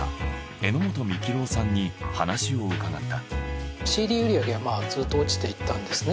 榎本幹朗さんに話を伺った。